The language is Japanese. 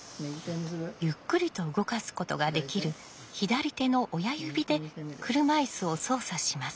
ゆっくりと動かすことができる左手の親指で車いすを操作します。